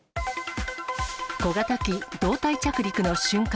小型機、胴体着陸の瞬間。